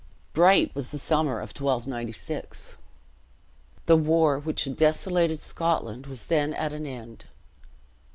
Bright was the summer of 1296. The war which had desolated Scotland was then at an end.